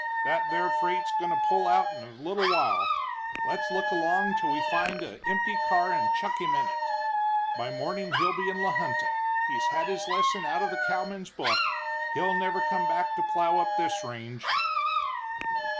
"That there freight's goin' to pull out in a little while let's look along till we find a empty car and chuck him in it. By morning he'll be in La Junta. He's had his lesson out of the cowman's book, he'll never come back to plow up this range."